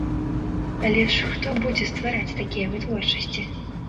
Але ж хто будзе ствараць такія вытворчасці?